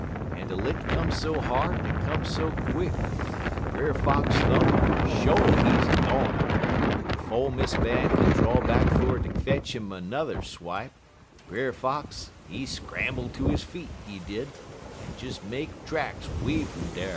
_ en de lick come so hard en it come so quick dat Brer Fox thunk sho' he's a goner; but 'fo' Mr. Man kin draw back fer ter fetch 'im a n'er wipe, Brer Fox, he scramble ter his feet, he did, en des make tracks 'way fum dar."